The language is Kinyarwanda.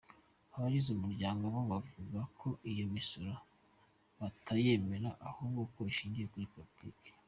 Abagize umuryango bo bavuga ko iyo misoro batayemera ahubwo ko ishingiye kuri politiki.